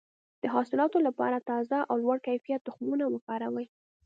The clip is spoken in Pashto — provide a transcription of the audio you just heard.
د حاصلاتو لپاره تازه او لوړ کیفیت تخمونه وکاروئ.